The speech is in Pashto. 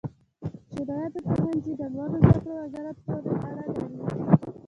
شرعیاتو پوهنځي د لوړو زده کړو وزارت پورې اړه لري.